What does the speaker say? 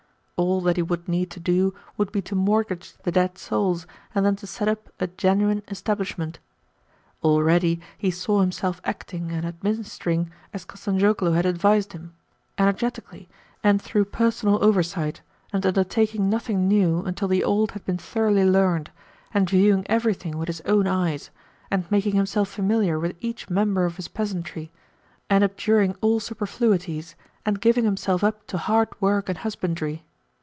All that he would need to do would be to mortgage the dead souls, and then to set up a genuine establishment. Already he saw himself acting and administering as Kostanzhoglo had advised him energetically, and through personal oversight, and undertaking nothing new until the old had been thoroughly learned, and viewing everything with his own eyes, and making himself familiar with each member of his peasantry, and abjuring all superfluities, and giving himself up to hard work and husbandry.